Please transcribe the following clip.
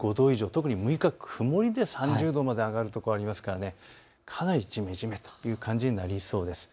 特に６日、曇りで３０度以上の所がありますからかなりじめじめということになりそうです。